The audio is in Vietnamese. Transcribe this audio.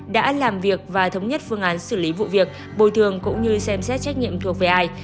đã làm việc và thống nhất phương án xử lý vụ việc bồi thường cũng như xem xét trách nhiệm thuộc về ai